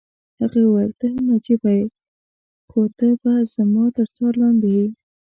هغې وویل: ته هم عجبه يې، خو ته به زما تر څار لاندې یې.